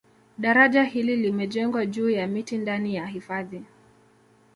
Daraja hili limejengwa juu ya miti ndani ya hifadhi